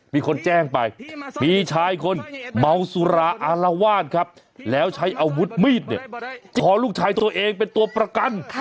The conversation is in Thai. มีคนแจ้งไปมีชายคนเมาสุราอารวาสครับแล้วใช้อาวุธมีดเนี่ยคอลูกชายตัวเองเป็นตัวประกัน